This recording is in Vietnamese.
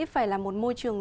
phải là một môi trường